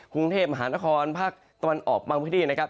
กรุงเทพมหานครภาคตะวันออกบางพื้นที่นะครับ